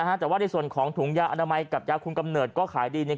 แต่ว่าในส่วนของถุงยาอนามัยกับยาคุมกำเนิดก็ขายดีใน